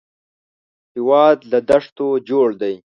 هېواد له دښتو جوړ دی